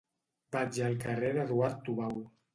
Vaig al carrer d'Eduard Tubau.